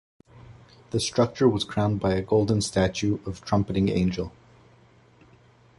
The structure was crowned by a golden statue of trumpeting angel.